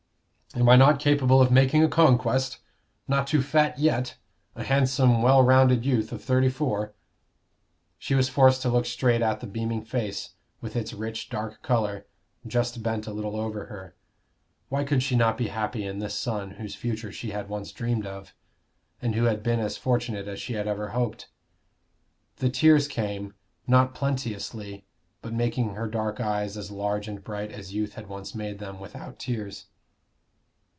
"Am I not capable of making a conquest? Not too fat yet a handsome, well rounded youth of thirty four?" She was forced to look straight at the beaming face, with its rich dark color, just bent a little over her. Why could she not be happy in this son whose future she had once dreamed of, and who had been as fortunate as she had ever hoped? The tears came, not plenteously, but making her dark eyes as large and bright as youth had once made them without tears.